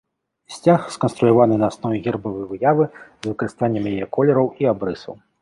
Сцяг сканструяваны на аснове гербавай выявы, з выкарыстаннем яе колераў і абрысаў.